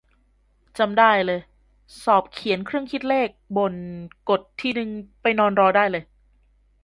จำได้เลย สอบเขียนเครื่องคิดเลขบน กด ทีนึงไปนอนรอได้เลย